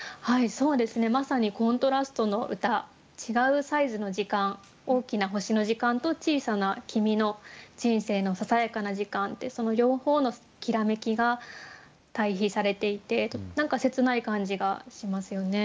違うサイズの時間大きな星の時間と小さな君の人生のささやかな時間ってその両方のきらめきが対比されていて何か切ない感じがしますよね。